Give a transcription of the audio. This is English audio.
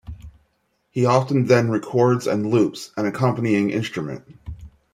He often then records and loops an accompanying instrument.